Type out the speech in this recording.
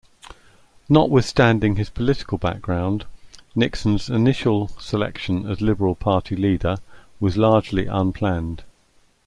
Notwithstanding his political background, Nixon's initial selection as Liberal Party leader was largely unplanned.